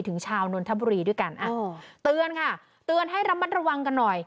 ชาวนนทบุรีด้วยกันเตือนค่ะเตือนให้ระมัดระวังกันหน่อย